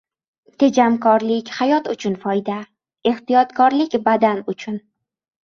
• Tejamkorlik hayot uchun foyda, ehtiyotkorlik — badan uchun.